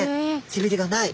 せびれがない。